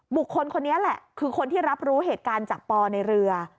คนนี้แหละคือคนที่รับรู้เหตุการณ์จากปอในเรือ